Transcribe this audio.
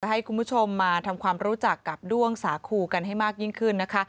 ให้คุณผู้ชมมาทำความรู้จักกับด้วงสาคูกันให้มากยิ่งขึ้นนะคะ